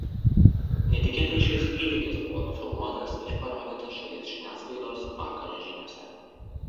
Netikėtai šis įvykis buvo nufilmuotas ir parodytas šalies žiniasklaidos vakaro žiniose.